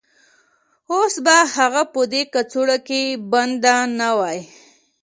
اوس به هغه په دې کڅوړه کې بنده نه وای